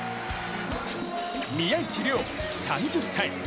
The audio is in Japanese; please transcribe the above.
宮市亮、３０歳。